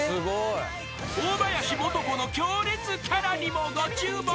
［大林素子の強烈キャラにもご注目］